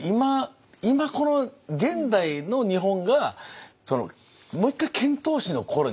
今この現代の日本がもう一回遣唐使の頃にかえって。